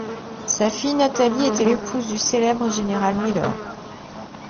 Sa fille Nathalie était l'épouse du célèbre général Miller.